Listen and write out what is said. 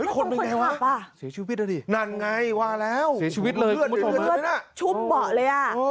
คนหนึ่งแหละสีชีวิตอ่ะดินั่นไงว่าแล้วสีชีวิตเลยชุบเหมาะเลยนะ